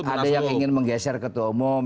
ada yang ingin menggeser ketua umum